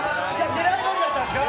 狙いどおりだったんですか？